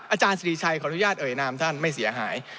อาจารย์สิริชัยขออนุญาตเอ่ยนามท่านไม่เสียหาย